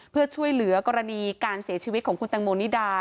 เพื่อช่วยเหลือกรณีการเสียชีวิตของคุณตังโมนิดา